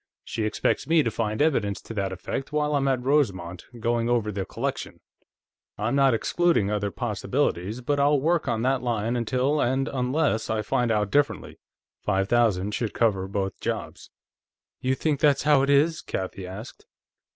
She expects me to find evidence to that effect while I'm at Rosemont, going over the collection. I'm not excluding other possibilities, but I'll work on that line until and unless I find out differently. Five thousand should cover both jobs." "You think that's how it is?" Kathie asked.